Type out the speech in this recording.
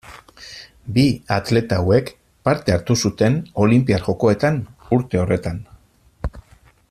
Bi atleta hauek parte hartu zuten olinpiar jokoetan urte horretan.